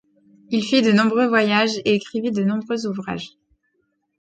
Il fit de nombreux voyages et écrivit de nombreux ouvrages.